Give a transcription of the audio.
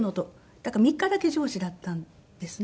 だから３日だけ上司だったんですね。